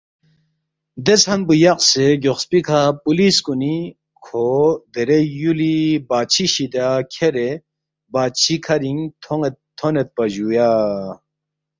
دے ژھن پو یقسے گیوخسپی کھہ پولیس کُنی کھو درے یُولی بادشی شِدیا کھیرے بادشی کَھرِنگ تھونیدپا جُویا